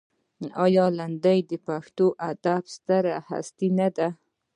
آیا لنډۍ د پښتو ادب ستره هستي نه ده؟